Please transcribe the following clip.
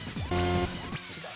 違う。